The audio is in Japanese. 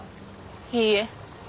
いいえ